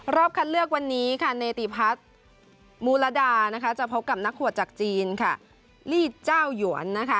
รอบคันเลือกวันนี้ในตีพัฒน์มูลดาจะพบกับนักหัวจากจีนลีดเจ้าหยวน